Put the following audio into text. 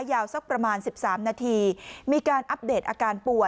ยาวสักประมาณ๑๓นาทีมีการอัปเดตอาการป่วย